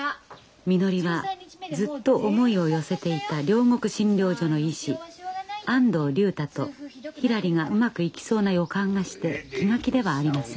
みのりはずっと思いを寄せていた両国診療所の医師安藤竜太とひらりがうまくいきそうな予感がして気が気ではありません。